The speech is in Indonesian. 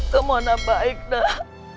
kamu anak baik nak